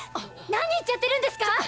何言っちゃってるんですか？